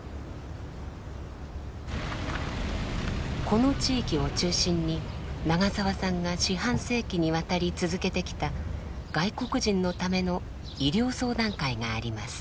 この地域を中心に長澤さんが四半世紀にわたり続けてきた外国人のための「医療相談会」があります。